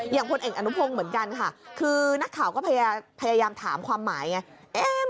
พลเอกอนุพงศ์เหมือนกันค่ะคือนักข่าวก็พยายามถามความหมายไง